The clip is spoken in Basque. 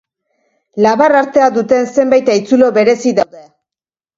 Labar-artea duten zenbait haitzulo berezi daude.